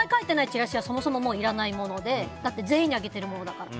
チラシはそもそもいらないものでだって全員にあげてるものだから。